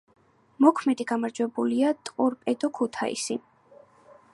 მოქმედი გამარჯვებულია „ტორპედო ქუთაისი“.